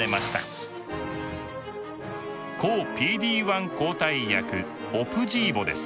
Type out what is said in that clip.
抗ＰＤ−１抗体薬「オプジーボ」です。